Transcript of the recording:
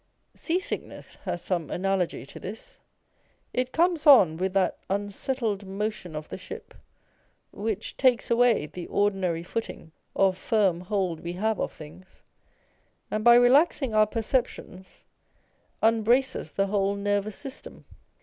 Seasickness has some analogy to this. It comes on with that unsettled motion of the ship, which takes away the ordinary footing or firm hold we have of things, and by relaxing our perceptions, unbraces the whole nervous system.